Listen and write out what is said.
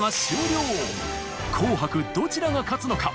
紅白どちらが勝つのか。